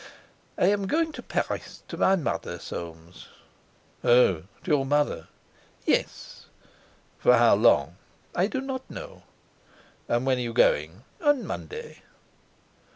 "I am going to Paris, to my mother, Soames." "Oh! To your mother?" "Yes." "For how long?" "I do not know." "And when are you going?" "On Monday."